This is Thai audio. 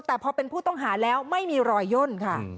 แต่พอเป็นผู้ต้องหาแล้วไม่มีรอยย่นค่ะ